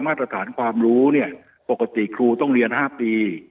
มาตรฐานความรู้เนี่ยปกติครูต้องเรียน๕ปี